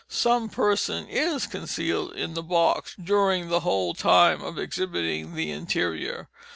Some person is concealed in the box during the whole time of exhibiting the interior.